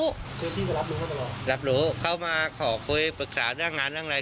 คือพี่มารับรู้เขาตลอดรับรู้เขามาขอคุยปรึกษาเรื่องงานเรื่องอะไร